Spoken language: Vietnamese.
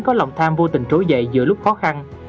có lòng tham vô tình trốn dậy giữa lúc khó khăn